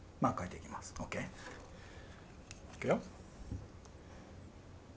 いくよ。